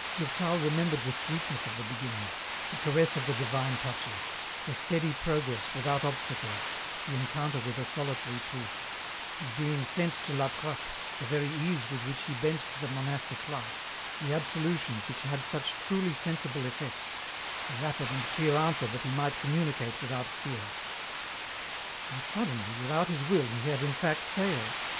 Durtal remembered the sweetness of the beginning, the caress of the divine touches, the steady progress without obstacles, the encounter with a solitary priest, his being sent to LaTrappe, the very ease with which he bent to the monastic life, the absolution which had such truly sensible effects, the rapid and clear answer that he might communicate without fear. And suddenly, without his wUl, he had in fact failed.